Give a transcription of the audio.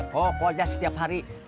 kok kok aja setiap hari